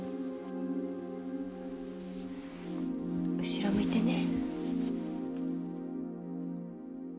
後ろ向いてね。